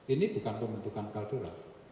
ini bukan pembentukan kaldera